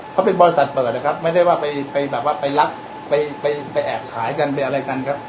เขาเป็นบริษัทเปิดนะครับไม่ได้ว่าไปแบบว่าไปรับไปแอบขายกันไปอะไรกันครับ